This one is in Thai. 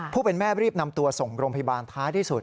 ผู้เป็นแม่รีบนำตัวส่งโรงพยาบาลท้ายที่สุด